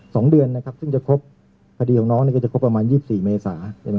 สองเดือนนะครับซึ่งจะครบคดีของน้องนี่ก็จะครบประมาณยี่สิบสี่เมษา